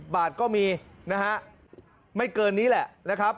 บาทก็มีนะฮะไม่เกินนี้แหละนะครับ